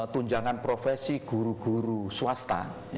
tunjangan profesi guru guru swasta